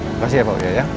terima kasih ya pak wuyah